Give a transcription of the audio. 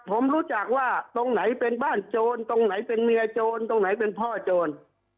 ผมรู้จักว่าตรงไหนเป็นบ้านโจรตรงไหนเป็นเมียโจรตรงไหนเป็นพ่อโจร